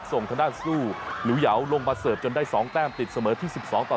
ส่งทางด้านสู้หลิวเหยาวลงมาเสิร์ฟจนได้๒แต้มติดเสมอที่๑๒ต่อ๑